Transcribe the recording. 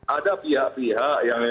ada pihak pihak yang